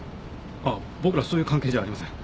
あっ僕らそういう関係じゃありません。